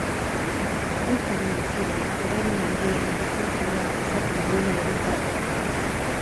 Punkaren hasieran eragin handia izan zuela esaten duena ere bada.